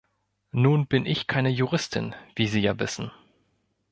Nun bin ich keine Juristin, wie Sie ja wissen.